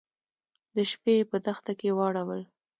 د شپې يې په دښته کې واړول.